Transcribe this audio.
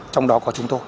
trong đó có chúng tôi